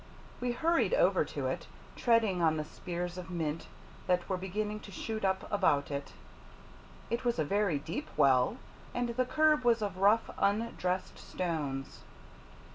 We hurried over to it, treading on the spears of mint that were beginning to shoot up about it. It was a very deep well, and the curb was of rough, undressed stones.